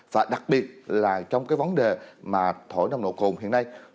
và đặc biệt là trong cái vấn đề mà thổi nồng độ cồn hiện nay